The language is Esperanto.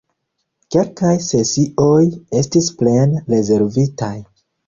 Kelkaj sesioj estis plene rezervitaj!